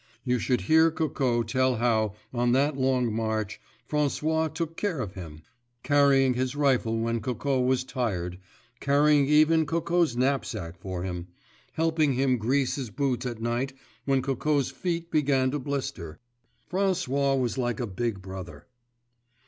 You should hear Coco tell how, on that long march, François took care of him, carrying his rifle when Coco was tired, carrying even Coco's knapsack for him, helping him grease his boots at night when Coco's feet began to blister. François was like a big brother.